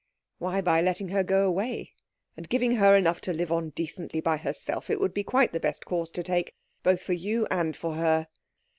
"Why, by letting her go away, and giving her enough to live on decently by herself. It would be quite the best course to take, both for you and for her."